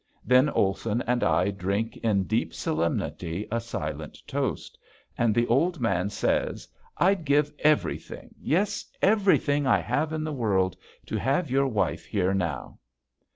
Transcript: Then Olson and I drink in deep solemnity a silent toast; and the old man says, "I'd give everything yes everything I have in the world to have your wife here now!"